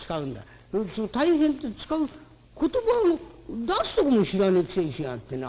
その大変って使う言葉を出すとこも知らねえくせにしやがってな」。